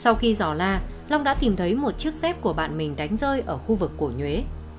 sau khi rõ la long đã đi tìm thấy một chiếc xếp của bạn mình đánh rơi ở khu vực của nhuế